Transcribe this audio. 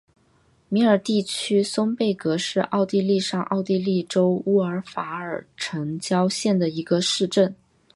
米尔地区松贝格是奥地利上奥地利州乌尔法尔城郊县的一个市镇。